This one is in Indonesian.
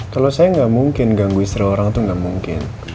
kalau saya gak mungkin ganggu istri orang tuh gak mungkin